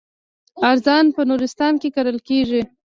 ارزن په نورستان کې کرل کیږي.